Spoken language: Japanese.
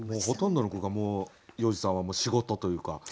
ほとんどの句がもう要次さんは仕事というか。